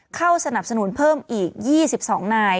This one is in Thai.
เข้าสนับสนุนเพิ่มอีก๒๒นาย